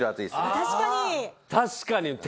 確かに！